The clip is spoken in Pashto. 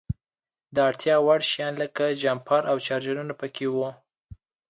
د اړتیا وړ شیان لکه جمپر او چارجرونه په کې وو.